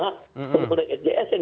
untuk undang undang sjsn